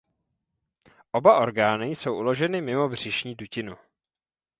Oba orgány jsou uloženy mimo břišní dutinu.